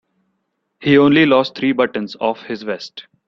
He only lost three buttons off his vest.